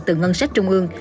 từ ngân sách trung ương